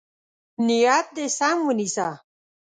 نیت دې سم ونیسه.